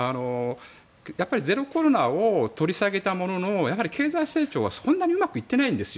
ゼロコロナを取り下げたものの経済成長はそんなにうまくいっていないんです。